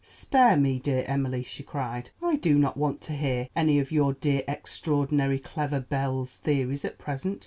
"Spare me, dear Emily," she cried. "I do not want to hear any of your dear, extraordinary, clever Belle's theories at present.